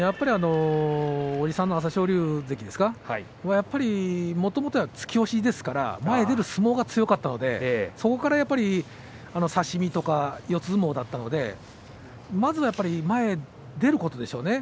叔父さんの朝青龍関ですかやはりもともと突き押しですから前に出る相撲が強かったのでそこから差し身とか四つ相撲だったのでまずは前に出ることでしょうね。